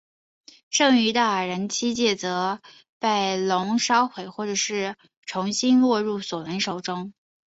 剩余的矮人七戒则被龙烧毁或重新落入索伦手中。